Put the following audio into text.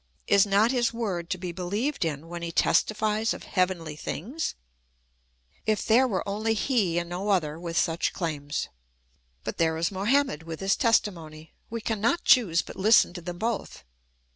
Is not his word to be beheved in when he testifies of heavenly things ? If there were only he, and no other, with such claims ! But there is Mohammed with his testimony ; we cannot choose but Hsten to them both.